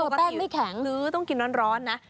แป้งไม่แข็งต้องกินร้อนนะ